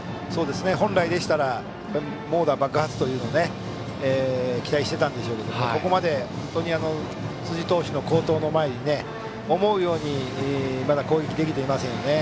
本来でしたら猛打爆発というのを期待していたんでしょうけどここまで本当に辻投手の好投の前に思うように攻撃できていませんよね。